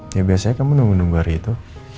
ya biasanya kamu nunggu nunggu hari itu